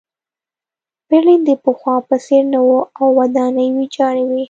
برلین د پخوا په څېر نه و او ودانۍ ویجاړې وې